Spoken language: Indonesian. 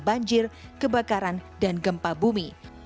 penjagaan bencana banjir kebakaran dan gempa bumi